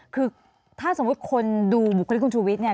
คือถ้าสมมุติคนดูบุคลิกคุณชูวิทย์เนี่ย